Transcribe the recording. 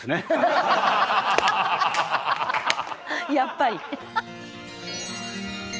やっぱり。